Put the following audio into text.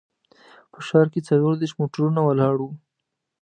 په ښار کې څلور دیرش موټرونه ولاړ وو.